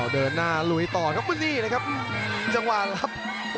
เดินหน้าลุยต่อครับคุณนี่เลยครับจังหวะรับ